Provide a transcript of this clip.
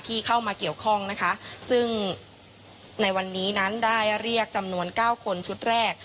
เข้ามาเกี่ยวข้องนะคะซึ่งในวันนี้นั้นได้เรียกจำนวนเก้าคนชุดแรก